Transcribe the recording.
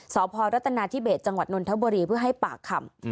สพรัฐนาธิเบสจังหวัดนนทบุรีเพื่อให้ปากคำ